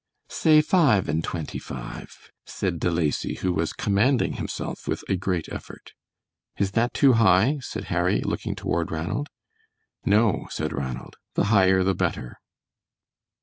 "Say five and twenty five," said De Lacy, who was commanding himself with a great effort. "Is that too high?" said Harry, looking toward Ranald. "No," said Ranald, "the higher the better."